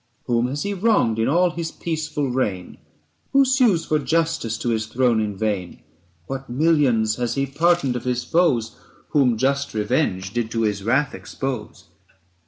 320 Whom has he wronged in all his peaceful reign ? Who sues for justice to his throne in vain ? What millions has he pardoned of his foes Whom just revenge did to his wrath expose